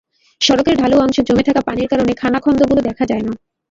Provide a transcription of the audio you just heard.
সড়কের ঢালু অংশে জমে থাকা পানির কারণে খানাখন্দগুলো দেখা যায় না।